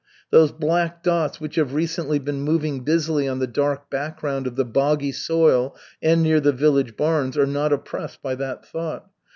Those black dots which have recently been moving busily on the dark background of the boggy soil and near the village barns are not oppressed by that thought.